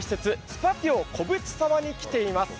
スパティオ小淵沢に来ています。